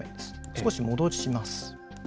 少し戻します。